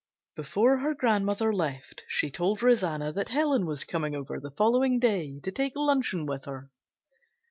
Before her grandmother left, she told Rosanna that Helen was coming over the following day to take luncheon with her.